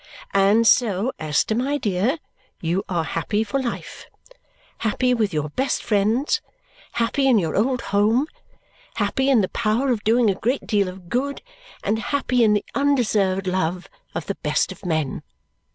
"And so Esther, my dear, you are happy for life. Happy with your best friends, happy in your old home, happy in the power of doing a great deal of good, and happy in the undeserved love of the best of men."